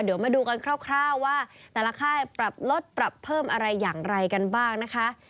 เดี๋ยวมาดูกันคร่าวว่าแต่ละค่ายปรับลดปรับเพิ่มอะไรอย่างไรกันบ้างนะคะ